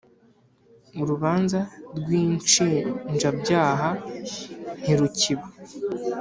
Urubanza rw ‘inshinjabyaha ntirukiba.